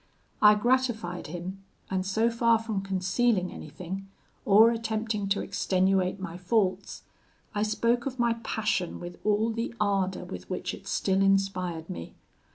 I gratified him; and so far from concealing anything, or attempting to extenuate my faults, I spoke of my passion with all the ardour with which it still inspired me.